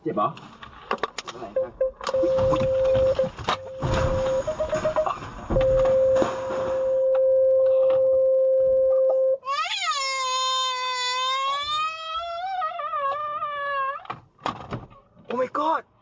โอ้มายก็อด